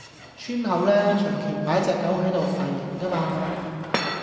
村口呢，長期擺隻狗喺度吠人㗎嘛